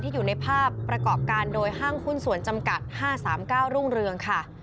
อยู่ในภาพประกอบการโดยห้างหุ้นส่วนจำกัด๕๓๙รุ่งเรืองค่ะ